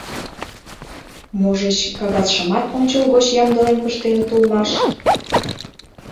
— Можыч, кагазшымат ончылгоч ямдылен пыштеныт улмаш?